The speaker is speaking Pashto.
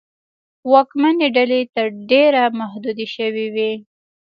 واکمنې ډلې تر ډېره محدودې شوې وې.